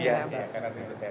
iya iya karena ini gula darah